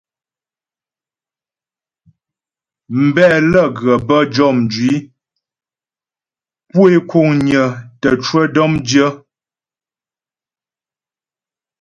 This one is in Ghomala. Mbɛ lə́ ghə bə́ jɔ mjwǐ pu é kuŋnyə tə cwə dɔ̌mdyə.